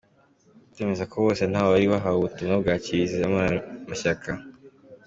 Ndemeza ko bose ntawari wahawe ubutumwa na Kiliziya muri ayo mashyaka.